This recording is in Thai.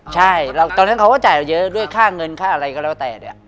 ใช่ตอนนั้นเขาก็จ่ายเราเยอะด้วยค่าเงินค่าอะไรก็แล้วแต่เนี่ย